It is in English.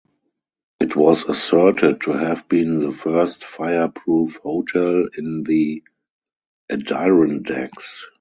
It was asserted to have been the first fireproof hotel in the Adirondacks.